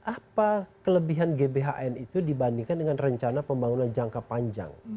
apa kelebihan gbhn itu dibandingkan dengan rencana pembangunan jangka panjang